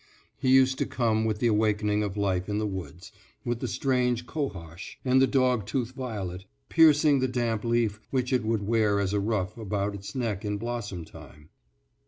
He used to come with the awakening of life in the woods, with the strange cohosh, and the dog tooth violet, piercing the damp leaf which it would wear as a ruff about its neck in blossom time.